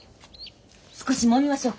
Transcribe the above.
少しもみましょうか。